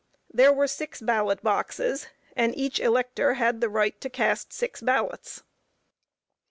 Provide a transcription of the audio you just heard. There were six ballot boxes, and each elector had the right to cast six ballots.